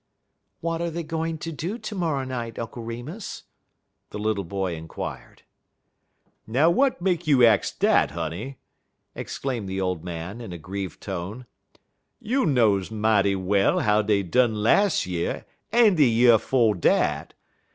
"What are they going to do to morrow night, Uncle Remus?" the little boy inquired. "Now w'at make you ax dat, honey?" exclaimed the old man, in a grieved tone. "You knows mighty well how dey done las' year en de year 'fo' dat.